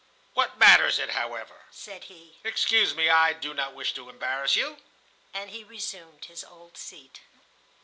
"What matters it, however?" said he. "Excuse me, I do not wish to embarrass you." And he resumed his old seat.